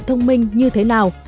thông minh như thế nào